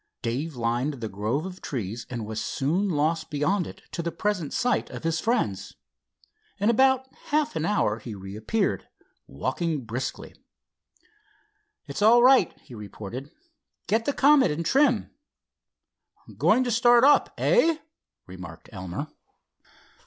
Dave lined the grove of trees and was soon lost beyond it to the present sight of his friends. In about half an hour he reappeared, walking briskly. "It's all right," he reported. "Get the Comet in trim." "Going to start up, eh?" remarked Elmer.